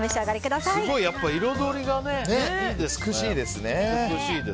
すごい、彩りがいいですね。